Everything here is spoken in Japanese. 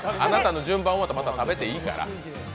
順番終わったらまた食べていいから。